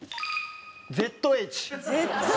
ＺＨ。